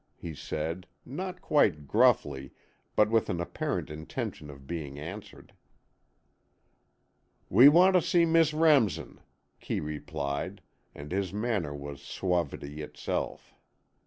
he said, not quite gruffly, but with an apparent intention of being answered. "We want to see Miss Remsen," Kee replied and his manner was suavity itself.